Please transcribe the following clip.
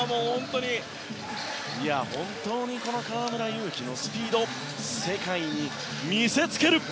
本当に河村勇輝のスピード世界に見せつける！